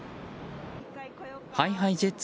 ＨｉＨｉＪｅｔｓ